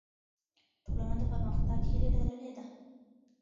ټولنه د پرمختګ هیله لرلې ده.